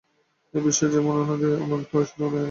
এই বিশ্ব যেমন অনাদি এবং অনন্ত, ঈশ্বরও তাই।